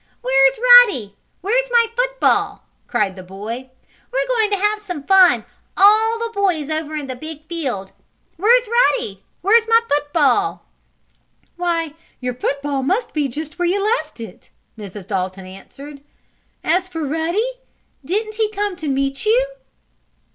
"Where's Ruddy? Where's my football?" cried the boy. "We're going to have some fun all the boys over in the big field! Where's Ruddy? Where's my football?" "Why, your football must be just where you left it," Mrs. Dalton answered. "As for Ruddy, didn't he come to meet you?"